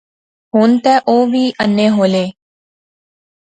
ہُن تے اوہ وی انے ہولے